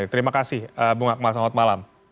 terima kasih bung akmal selamat malam